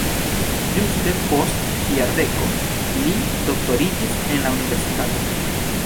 Ĝuste post jardeko li doktoriĝis en la universitato.